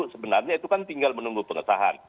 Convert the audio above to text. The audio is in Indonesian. sebenarnya itu kan tinggal menunggu pengesahan